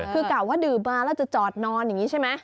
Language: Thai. คือกะว่าดื่มมาแล้วจะจอดนอนอย่างนี้ใช่ไหม